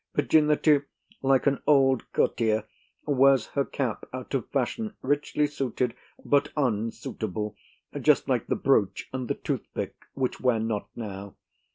Virginity, like an old courtier, wears her cap out of fashion, richly suited, but unsuitable, just like the brooch and the toothpick, which wear not now.